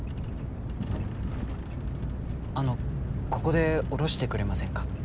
あのここで降ろしてくれませんか？